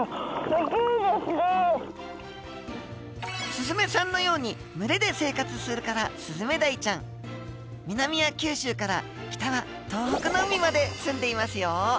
スズメさんのように群れで生活するから南は九州から北は東北の海まですんでいますよ。